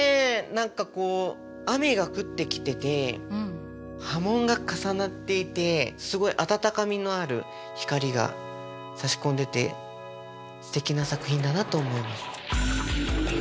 何かこう雨が降ってきてて波紋が重なっていてすごいあたたかみのある光がさし込んでてすてきな作品だなと思います。